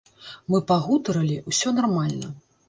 Мы пагутарылі, усё нармальна.